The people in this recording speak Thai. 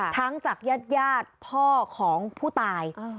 ทั้งจากแยดพ่อของผู้ตาย